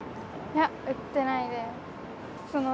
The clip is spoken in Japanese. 打ってないです。